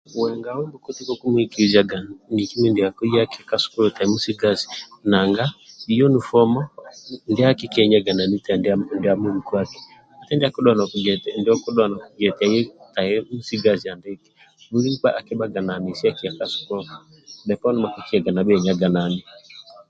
Uwe ngawe mbokoti, kokumwikilijaga miki mindiako yaki ka sukulu tai musigazi, nanga yunifomo ndiaki kenyaganani tai ndia mulukwaki, hati ndia akidhuwa nokugia eti aye bhia musigazi andiki, buli nkpa akibhaga nesi akiyaga ka sukulu, bhoponi bhaka kibhaga nibhaenanyagi